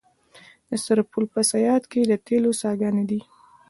د سرپل په صیاد کې د تیلو څاګانې دي.